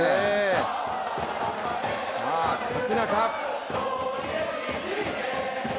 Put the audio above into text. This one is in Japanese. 角中。